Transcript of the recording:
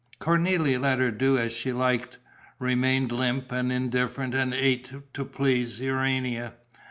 Cornélie let her do as she liked, remained limp and indifferent and ate to please Urania.